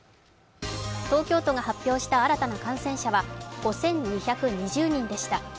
東京都が発表した新たな感染者は５５２０人でした。